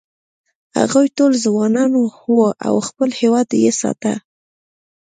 هغوی ټول ځوانان و او خپل هېواد یې ساته.